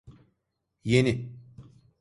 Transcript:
Yeni…